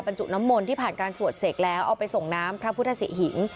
จุดน้ำมนต์ที่ผ่านการสวดเสกแล้วเอาไปส่งน้ำพระพุทธศิหิง